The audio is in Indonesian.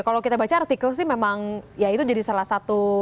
kalau kita baca artikel sih memang ya itu jadi salah satu